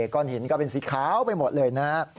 ก้อนหินก็เป็นสีขาวไปหมดเลยนะฮะ